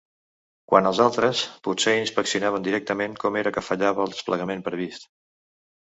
Quant als altres, potser inspeccionaven directament com era que fallava el desplegament previst.